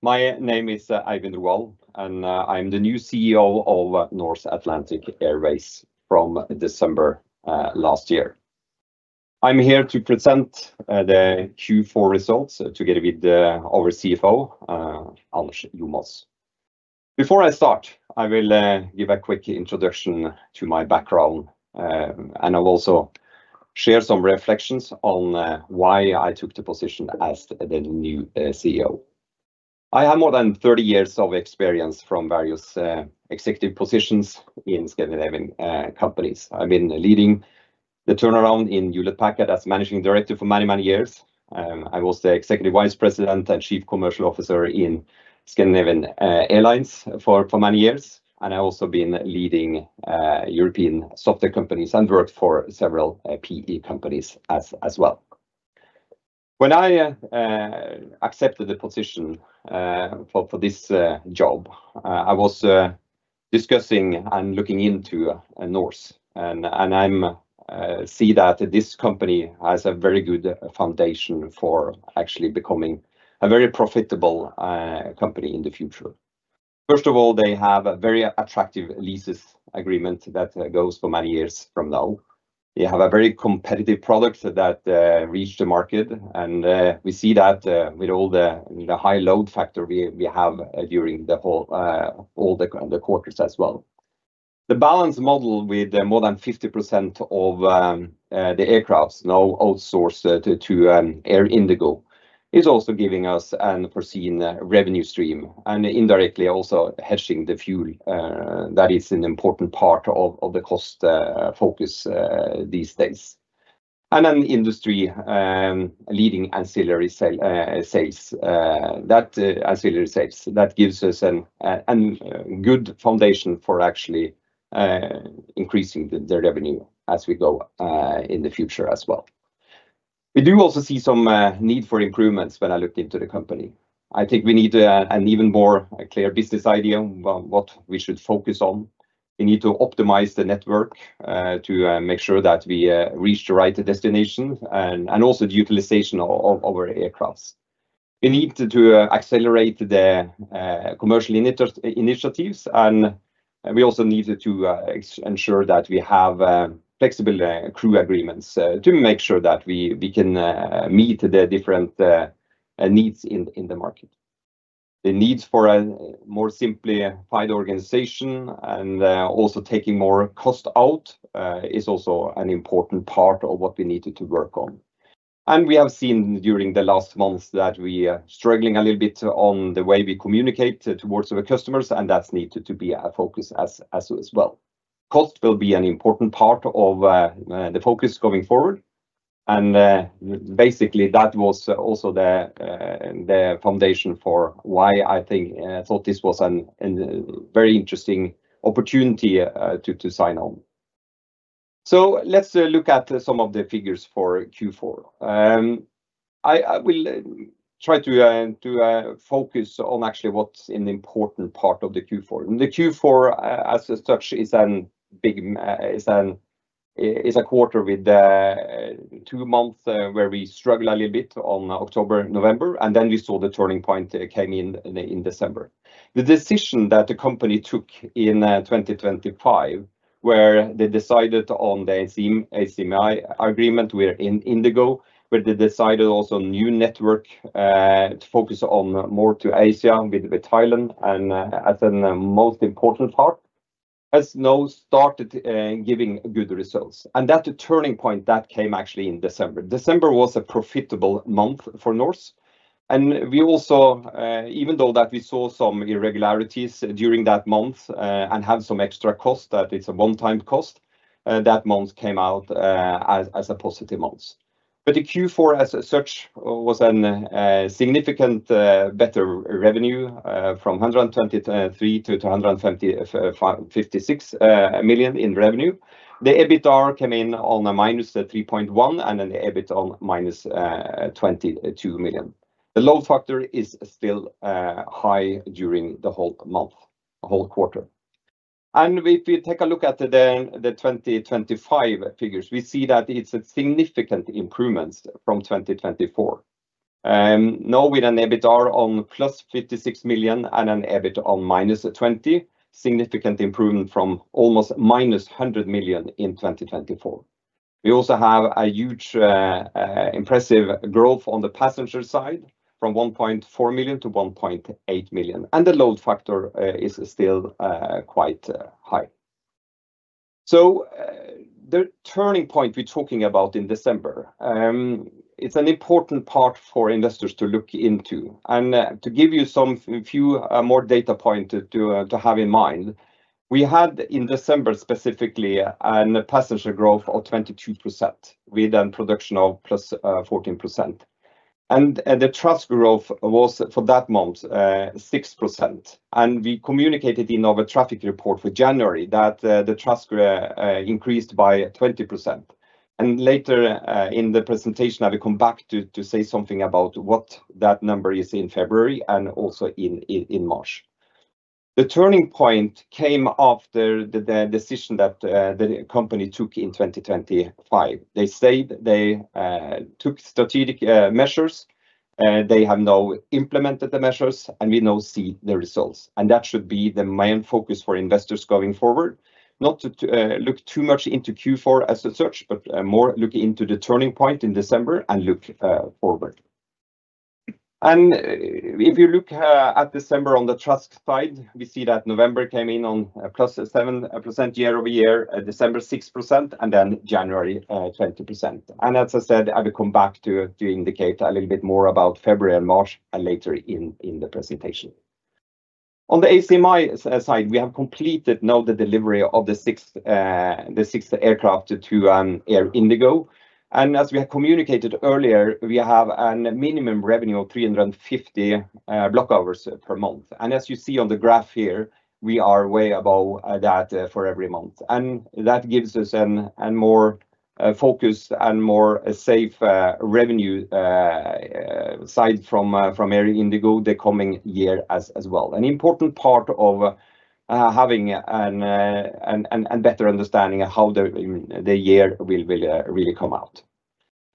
My name is Eivind Roald, and I'm the new CEO of Norse Atlantic Airways from December last year. I'm here to present the Q4 results together with our CFO, Anders Jomaas. Before I start, I will give a quick introduction to my background, and I'll also share some reflections on why I took the position as the new CEO. I have more than 30 years of experience from various executive positions in Scandinavian companies. I've been leading the turnaround in Hewlett-Packard as managing director for many, many years. I was the Executive Vice President and Chief Commercial Officer in Scandinavian Airlines for many years, and I've also been leading European software companies and worked for several PE companies as well. When I accepted the position for this job, I was discussing and looking into Norse, and I'm see that this company has a very good foundation for actually becoming a very profitable company in the future. First of all, they have a very attractive leases agreement that goes for many years from now. They have a very competitive product that reached the market, and we see that with all the high load factor we have during the whole all the quarters as well. The balance model with more than 50% of the aircrafts now outsourced to IndiGo, is also giving us an unforeseen revenue stream and indirectly also hedging the fuel. That is an important part of the cost focus these days. And an industry, um, leading ancillary sales that gives us a good foundation for actually increasing the revenue as we go in the future as well. We do also see some need for improvements when I looked into the company. I think we need an even more clear business idea about what we should focus on. We need to optimize the network to make sure that we reach the right destination and also the utilization of our aircrafts. We need to accelerate the commercial initiatives, and we also need to ensure that we have flexible crew agreements to make sure that we can meet the different needs in the market. The needs for a more simplified organization and also taking more cost out is also an important part of what we need to work on. We have seen during the last months that we are struggling a little bit on the way we communicate towards our customers, and that's needed to be a focus as well. Cost will be an important part of the focus going forward, and basically, that was also the foundation for why I think I thought this was an very interesting opportunity to sign on. Let's look at some of the figures for Q4. I will try to focus on actually what's an important part of the Q4. The Q4, as such, is a quarter with two months where we struggle a little bit on October, November. Then we saw the turning point came in December. The decision that the company took in 2025, where they decided on the ACMI agreement with IndiGo, where they decided also new network to focus on more to Asia with Thailand and as the most important part, has now started giving good results. That turning point, that came actually in December. December was a profitable month for Norse. We also, even though that we saw some irregularities during that month and have some extra costs, that it's a one-time cost, that month came out as a positive month. Q4, as such, was a significant better revenue, from $123 million-$175.56 million in revenue. The EBITDA came in on a -$3.1 million and an EBIT on -$22 million. The load factor is still high during the whole month, the whole quarter. If you take a look at the 2025 figures, we see that it's a significant improvement from 2024. Now with an EBITA on +$56 million and an EBIT on -$20 million, significant improvement from almost -$100 million in 2024. We also have a huge impressive growth on the passenger side, from 1.4 million-1.8 million, and the load factor is still quite high. The turning point we're talking about in December, it's an important part for investors to look into. To give you some few more data point to have in mind, we had in December, specifically, an passenger growth of 22% with an production of +14%. The trust growth was, for that month, 6%, and we communicated in our traffic report for January that the trust increased by 20%. Later in the presentation, I will come back to say something about what that number is in February and also in March. The turning point came after the decision that the company took in 2025. They said they took strategic measures, and they have now implemented the measures, and we now see the results. That should be the main focus for investors going forward. Not to look too much into Q4 as a search, but more look into the turning point in December and look forward. If you look at December on the trust side, we see that November came in on +7% year-over-year, December, 6%, and then January, 20%. As I said, I will come back to indicate a little bit more about February and March, and later in the presentation. On the ACMI side, we have completed now the delivery of the sixth aircraft to IndiGo. As we have communicated earlier, we have an minimum revenue of 350 block hours per month. As you see on the graph here, we are way above that for every month. That gives us a more focus and more a safe revenue side from IndiGo the coming year as well. Important part of having a better understanding of how the year will really come out.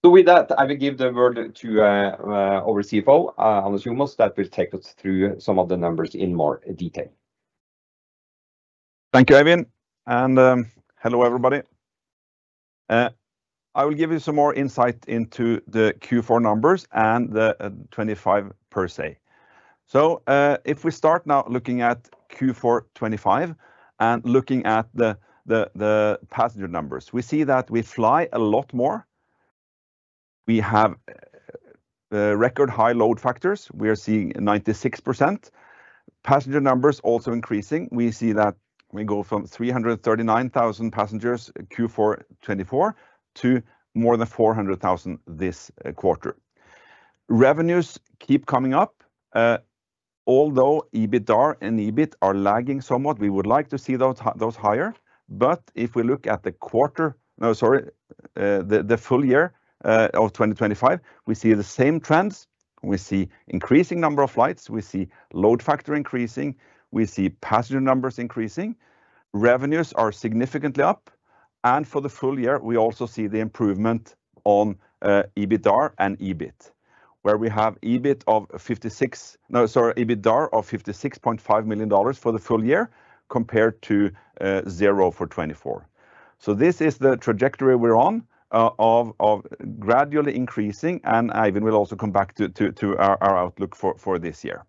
With that, I will give the word to our CFO, Anders Jomaas, that will take us through some of the numbers in more detail. Thank you, Eivind. Hello, everybody. I will give you some more insight into the Q4 numbers and the 2025 per se. If we start now looking at Q4 2025 and looking at the passenger numbers, we see that we fly a lot more. We have record high load factors. We are seeing 96%. Passenger numbers also increasing. We see that we go from 339,000 passengers in Q4 2024 to more than 400,000 this quarter. Revenues keep coming up, although EBITDA and EBIT are lagging somewhat, we would like to see those higher. If we look at the quarter, the full year of 2025, we see the same trends. We see increasing number of flights, we see load factor increasing, we see passenger numbers increasing. Revenues are significantly up, and for the full year, we also see the improvement on EBITDA and EBIT, where we have EBITDA of $56.5 million for the full year, compared to 0 for 2024. This is the trajectory we're on of gradually increasing, and Eivind will also come back to our outlook for this year.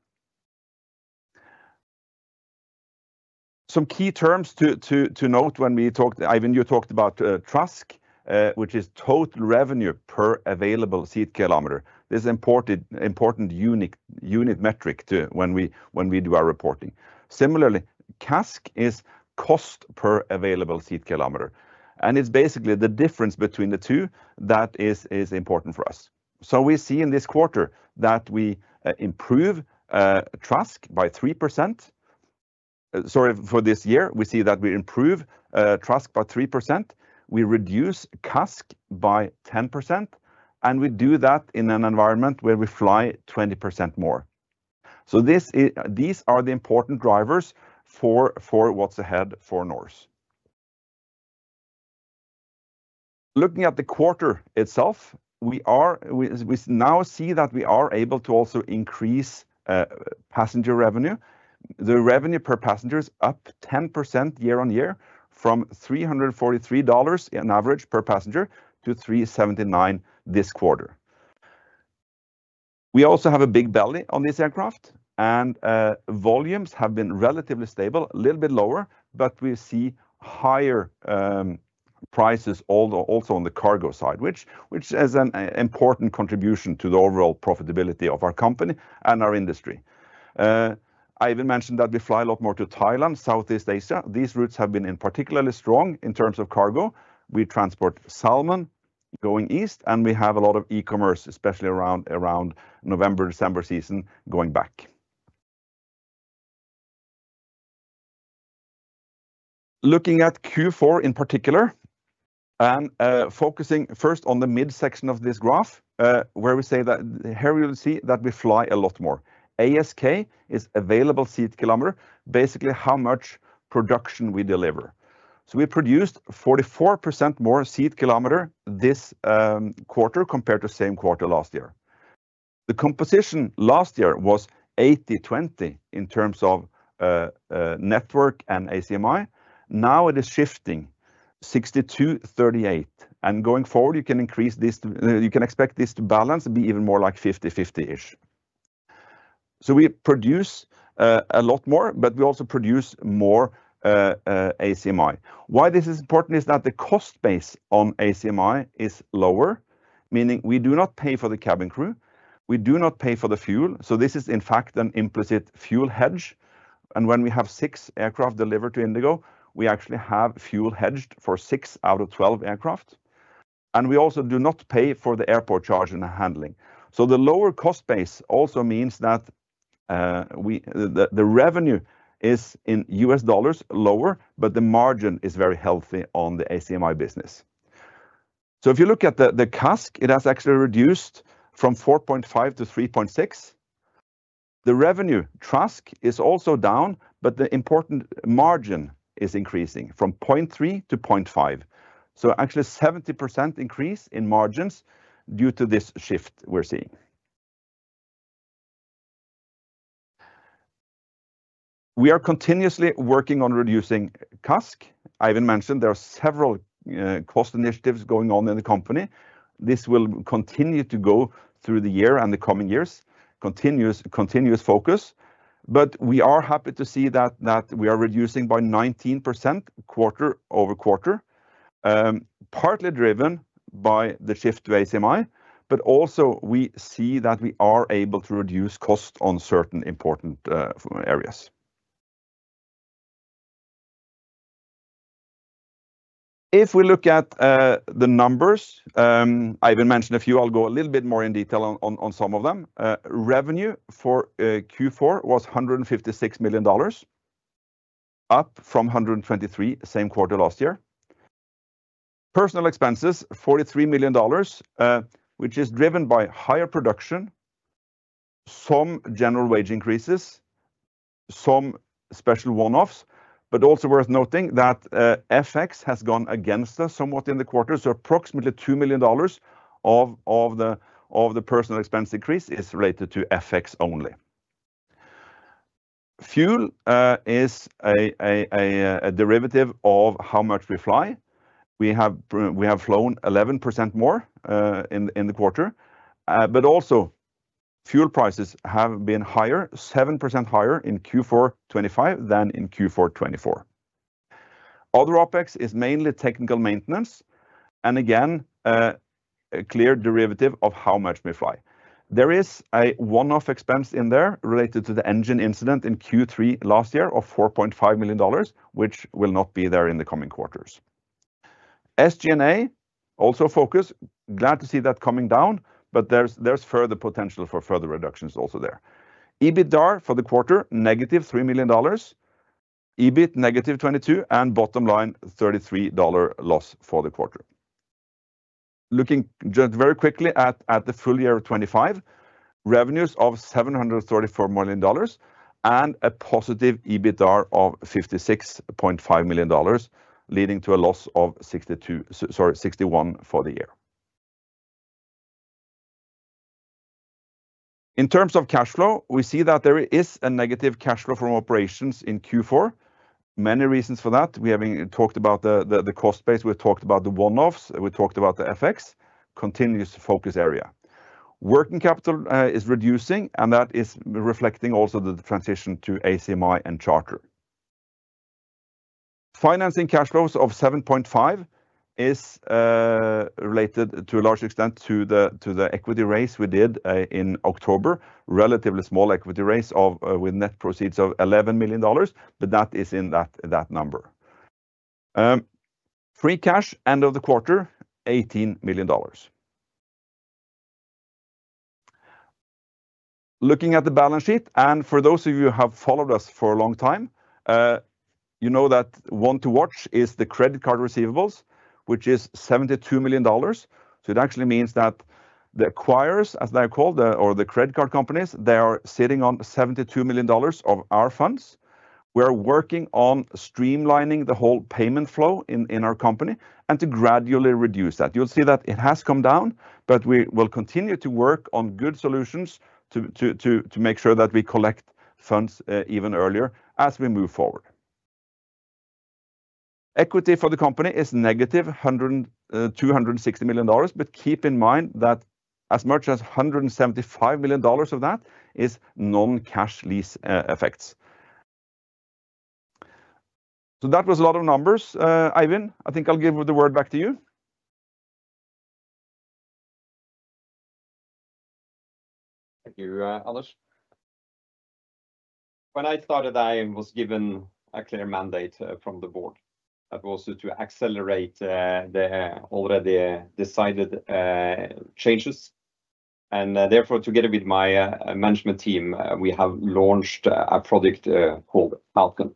Some key terms to note when we talked Eivind, you talked about TRASK, which is Total Revenue per Available Seat Kilometer. This is important unit metric to when we do our reporting. Similarly, CASK is Cost per Available Seat Kilometer, and it's basically the difference between the two that is important for us. For this year, we see that we improve TRASK by 3%. We reduce CASK by 10%, and we do that in an environment where we fly 20% more. These are the important drivers for what's ahead for Norse. Looking at the quarter itself, we now see that we are able to also increase passenger revenue. The revenue per passenger is up 10% year-on-year from $343 on average per passenger to $379 this quarter. We also have a big belly on this aircraft, volumes have been relatively stable, a little bit lower, but we see higher prices, although also on the cargo side, which is an important contribution to the overall profitability of our company and our industry. Eivind mentioned that we fly a lot more to Thailand, Southeast Asia. These routes have been particularly strong in terms of cargo. We transport salmon going east, and we have a lot of e-commerce, especially around November, December season, going back. Looking at Q4 in particular, focusing first on the midsection of this graph, we'll see that we fly a lot more. ASK is Available Seat Kilometer, basically how much production we deliver. We produced 44% more seat kilometer this quarter compared to same quarter last year. The composition last year was 80/20, in terms of network and ACMI. Now it is shifting 62/38, and going forward, you can increase this, you can expect this to balance be even more like 50/50-ish. We produce a lot more, but we also produce more ACMI. Why this is important is that the cost base on ACMI is lower, meaning we do not pay for the cabin crew, we do not pay for the fuel. This is, in fact, an implicit fuel hedge, and when we have six aircraft delivered to IndiGo, we actually have fuel hedged for 6 out of 12 aircraft, and we also do not pay for the airport charge and the handling. The lower cost base also means that the revenue is in U.S. dollars lower, but the margin is very healthy on the ACMI business. If you look at the CASK, it has actually reduced from 4.5-3.6. The revenue TRASK is also down, but the important margin is increasing from 0.3-0.5. Actually 70% increase in margins due to this shift we're seeing. We are continuously working on reducing CASK. Eivind mentioned there are several cost initiatives going on in the company. This will continue to go through the year and the coming years. Continuous focus. We are happy to see that we are reducing by 19% quarter-over-quarter, partly driven by the shift to ACMI, but also we see that we are able to reduce costs on certain important areas. If we look at the numbers, Eivind mentioned a few. I'll go a little bit more in detail on some of them. Revenue for Q4 was $156 million, up from $123 million, same quarter last year. Personnel expenses, $43 million, which is driven by higher production, some general wage increases, some special one-offs, but also worth noting that FX has gone against us somewhat in the quarter. Approximately $2 million of the personal expense increase is related to FX only. Fuel is a derivative of how much we fly. We have flown 11% more in the quarter. Also fuel prices have been higher, 7% higher in Q4 2025 than in Q4 2024. Other OpEx is mainly technical maintenance, and again, a clear derivative of how much we fly. There is a one-off expense in there related to the engine incident in Q3 last year of $4.5 million, which will not be there in the coming quarters. SG&A, also focus, glad to see that coming down, but there's further potential for further reductions also there. EBITDA for the quarter, -$3 million, EBIT -$22 million, and bottom line, $33 million loss for the quarter. Looking just very quickly at the full year of 2025, revenues of $734 million and a positive EBITDA of $56.5 million, leading to a loss of 61 for the year. In terms of cash flow, we see that there is a negative cash flow from operations in Q4. Many reasons for that. We have talked about the cost base, we talked about the one-offs, we talked about the FX, continuous focus area. Working capital is reducing, and that is reflecting also the transition to ACMI and charter. Financing cash flows of $7.5 million is related to a large extent to the equity raise we did in October. Relatively small equity raise of with net proceeds of $11 million, but that is in that number. Free cash, end of the quarter, $18 million. Looking at the balance sheet, for those of you who have followed us for a long time, you know that one to watch is the credit card receivables, which is $72 million. It actually means that the acquirers, as I call them, or the credit card companies, they are sitting on $72 million of our funds. We are working on streamlining the whole payment flow in our company and to gradually reduce that. You'll see that it has come down, we will continue to work on good solutions to make sure that we collect funds even earlier as we move forward. Equity for the company is -$260 million. Keep in mind that as much as $175 million of that is non-cash lease effects. That was a lot of numbers. Eivind, I think I'll give the word back to you. Thank you, Anders. When I started, I was given a clear mandate from the board, and also to accelerate the already decided changes. Therefore, together with my management team, we have launched a project called Falcon.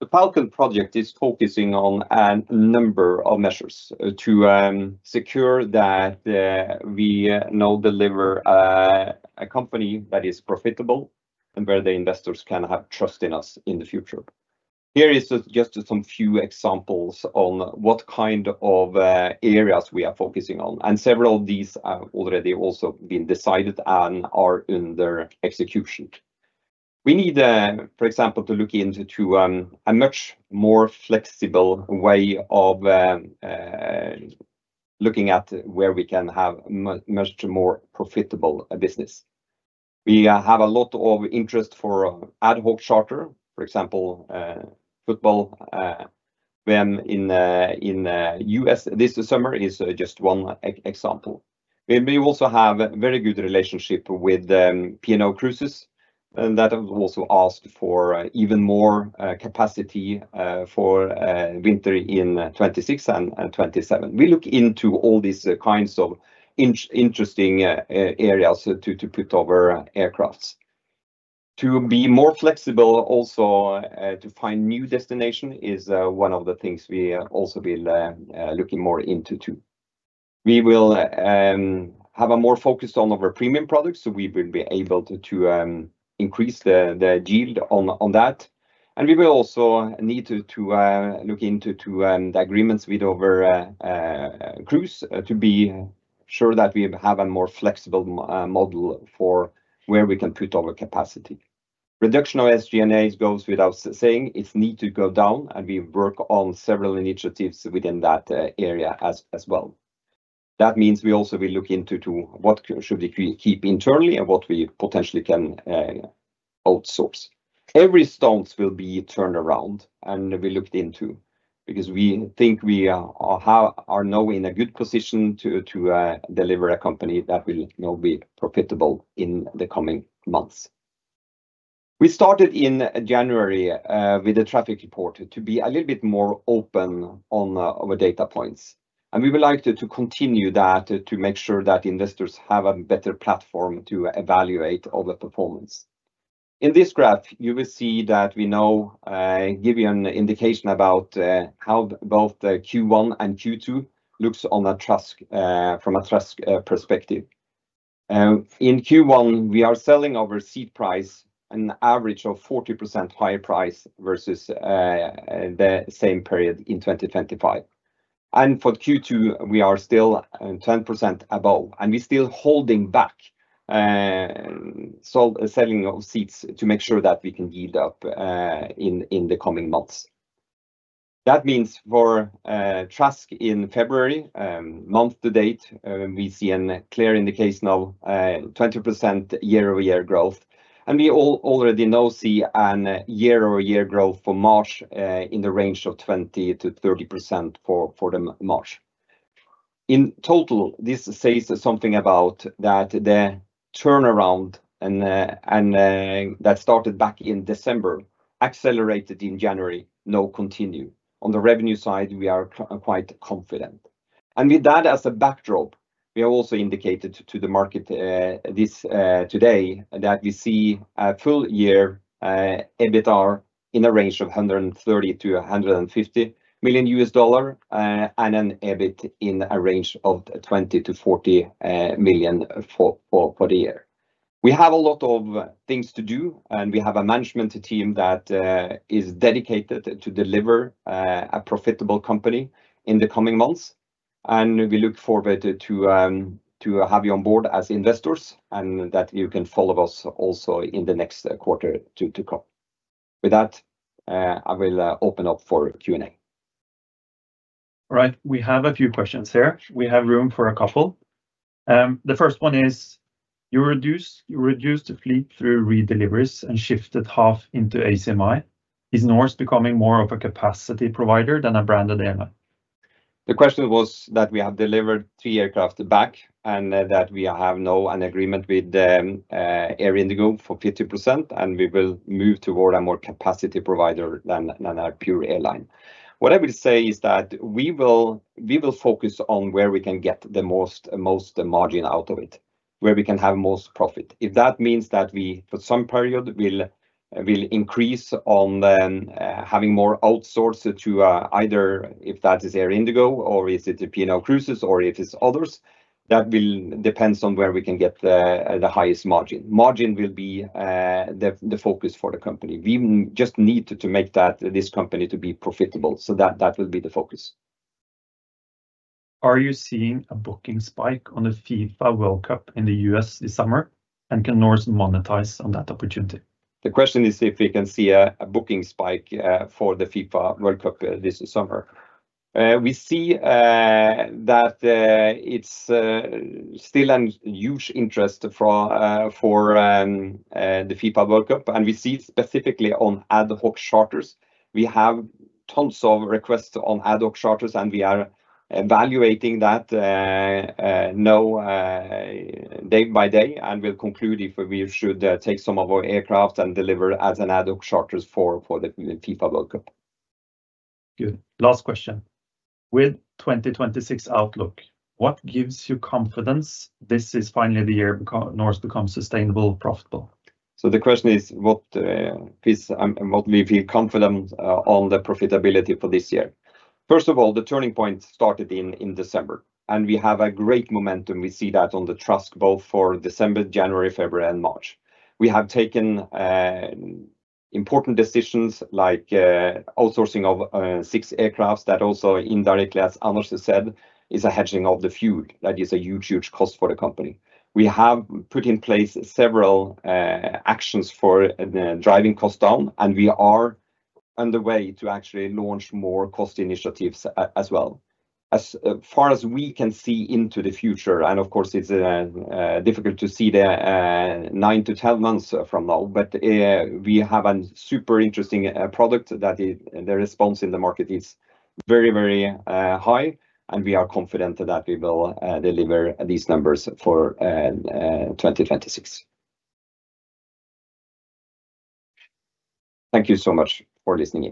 The Falcon project is focusing on a number of measures to secure that we now deliver a company that is profitable and where the investors can have trust in us in the future. Here is just some few examples on what kind of areas we are focusing on, and several of these have already also been decided and are in their execution. We need, for example, to look into to a much more flexible way of looking at where we can have much more profitable business. We have a lot of interest for ad hoc charter, for example, football team in U.S. this summer is just one example. We also have a very good relationship with P&O Cruises, and that have also asked for even more capacity for winter in 2026 and 2027. We look into all these kinds of interesting areas to put our aircrafts. To be more flexible also, to find new destination is one of the things we also be looking more into, too. We will have a more focus on our premium products, so we will be able to increase the yield on that. We will also need to look into the agreements with our crews to be sure that we have a more flexible model for where we can put our capacity. Reduction of SG&A goes without saying. It's need to go down, and we work on several initiatives within that area as well. That means we also will look into what should we keep internally and what we potentially can outsource. Every stones will be turned around and be looked into, because we think we are now in a good position to deliver a company that will be profitable in the coming months. We started in January, with the traffic report, to be a little bit more open on our data points, we would like to continue that, to make sure that investors have a better platform to evaluate all the performance. In this graph, you will see that we now give you an indication about how both the Q1 and Q2 looks on a TRASK, from a TRASK, perspective. In Q1, we are selling our seat price an average of 40% higher price versus the same period in 2025. For Q2, we are still 10% above, and we're still holding back selling of seats to make sure that we can yield up in the coming months. That means for TRASK in February, month-to-date, we see a clear indication of 20% year-over-year growth, and we already now see an year-over-year growth for March in the range of 20%-30% for the March. In total, this says something about that the turnaround that started back in December, accelerated in January, now continue. On the revenue side, we are quite confident. With that as a backdrop, we have also indicated to the market today, that we see a full year EBITDAR in a range of $130 million-$150 million, and an EBIT in a range of $20 million-$40 million for the year. We have a lot of things to do, and we have a management team that is dedicated to deliver a profitable company in the coming months. We look forward to have you on board as investors, and that you can follow us also in the next quarter to come. With that, I will open up for Q&A. All right, we have a few questions here. We have room for a couple. The first one is: "You reduce the fleet through redeliveries and shifted half into ACMI. Is Norse becoming more of a capacity provider than a branded airline?" The question was that we have delivered three aircraft back, and that we have now an agreement with IndiGo for 50%, and we will move toward a more capacity provider than a pure airline. What I will say is that we will focus on where we can get the most margin out of it, where we can have most profit. If that means that we, for some period, will increase on then having more outsourced to either if that is IndiGo or is it P&O Cruises or if it's others, that will depends on where we can get the highest margin. Margin will be the focus for the company. We just need to make that, this company to be profitable, so that will be the focus. "Are you seeing a booking spike on the FIFA World Cup in the U.S. this summer, and can Norse monetize on that opportunity?" The question is if we can see a booking spike for the FIFA World Cup this summer. We see that it's still an huge interest for the FIFA World Cup, and we see it specifically on ad hoc charters. We have tons of requests on ad hoc charters, and we are evaluating that now day by day, and we'll conclude if we should take some of our aircraft and deliver as an ad hoc charters for the FIFA World Cup. Good. Last question: "With 2026 outlook, what gives you confidence this is finally the year Norse becomes sustainable, profitable?" The question is, what give me confidence on the profitability for this year? First of all, the turning point started in December, and we have a great momentum. We see that on the TRASK, both for December, January, February, and March. We have taken important decisions like outsourcing of six aircrafts that also indirectly, as Anders said, is a hedging of the fuel. That is a huge, huge cost for the company. We have put in place several actions for the driving costs down, and we are on the way to actually launch more cost initiatives as well. As far as we can see into the future, and of course, it's difficult to see the 9-10 months from now, but we have an super interesting product that the response in the market is very, very high, and we are confident that we will deliver these numbers for 2026. Thank you so much for listening in.